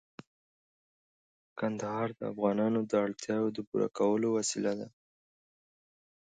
کندهار د افغانانو د اړتیاوو د پوره کولو وسیله ده.